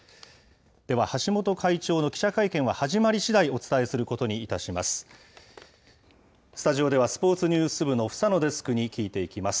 では橋本会長の記者会見が始まりしだい、お伝えすることにいたします。